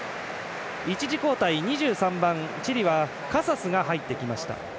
一時交代、２３番チリ、カサスが入ってきました。